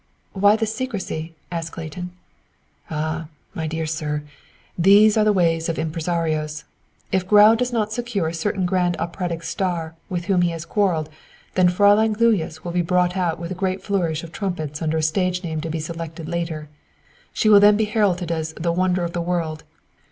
"Why this secrecy?" asked Clayton. "Ah! My dear sir! These are the ways of impresarios. If Grau does not secure a certain great operatic star with whom he has quarrelled, then Fräulein Gluyas will be brought out with a great flourish of trumpets under a stage name to be selected later. She will then be heralded as a 'wonder of the world.'